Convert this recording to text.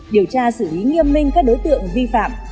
điều tra xử lý nghiêm minh các đối tượng vi phạm